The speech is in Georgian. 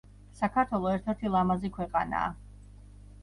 საქართველო ერთ-ერთი ლამაზი ქვეყანაა